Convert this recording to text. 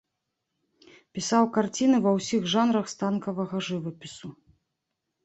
Пісаў карціны ва ўсіх жанрах станковага жывапісу.